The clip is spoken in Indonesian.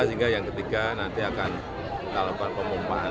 sehingga yang ketiga nanti akan kita lakukan pemumpahan